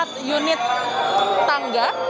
untuk bisa mempermudah akses masyarakat